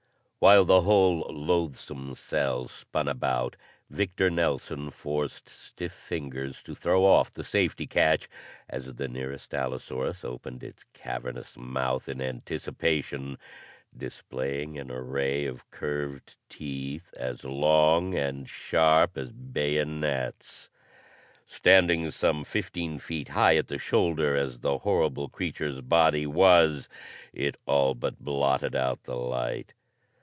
While the whole loathsome cell spun about, Victor Nelson forced stiff fingers to throw off the safety catch as the nearest allosaurus opened its cavernous mouth in anticipation, displaying an array of curved teeth, as long and sharp as bayonets. Standing some fifteen feet high at the shoulder the horrible creature's body was; it all but blotted out the light.